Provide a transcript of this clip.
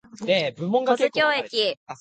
保津峡駅